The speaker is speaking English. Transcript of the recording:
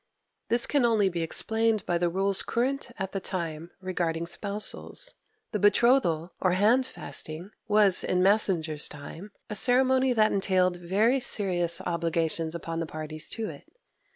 5. This can only be explained by the rules current at the time regarding spousals. The betrothal, or handfasting, was, in Massinger's time, a ceremony that entailed very serious obligations upon the parties to it.